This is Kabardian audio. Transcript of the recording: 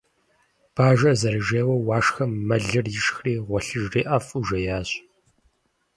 Бажэр зэрыжейуэ, Уашхэм мэлыр ишхри гъуэлъыжри ӀэфӀу жеящ.